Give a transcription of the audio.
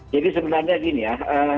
jadi sebenarnya gini ya